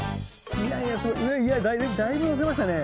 いやいやそれだいぶのせましたね。